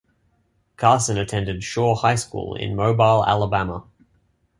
Carson attended Shaw High School in Mobile, Alabama.